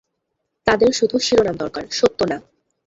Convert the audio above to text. তাদের শুধু শিরোনাম দরকার, সত্য না!